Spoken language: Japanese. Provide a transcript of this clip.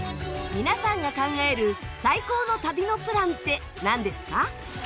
皆さんが考える最高の旅のプランってなんですか？